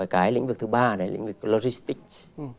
cái lĩnh vực thứ ba là lĩnh vực logistics